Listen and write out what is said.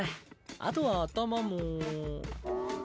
あとは頭も。